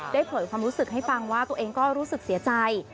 เผยความรู้สึกให้ฟังว่าตัวเองก็รู้สึกเสียใจ